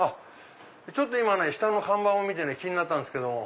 今ね下の看板を見て気になったんですけども。